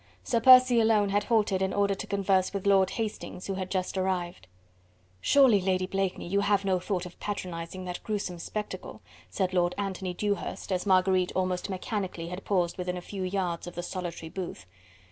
Sir Percy alone had halted in order to converse with Lord Hastings, who had just arrived. "Surely, Lady Blakeney, you have no thought of patronising that gruesome spectacle?" said Lord Anthony Dewhurst, as Marguerite almost mechanically had paused within a few yards of the solitary booth.